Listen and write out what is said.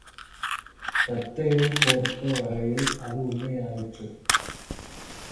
தத்தையைப் பொறுத்த வரையில் அது உண்மையாயிற்று.